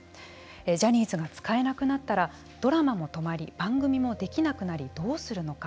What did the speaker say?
ジャニーズが使えなくなったらドラマも止まり番組もできなくなりどうするのか。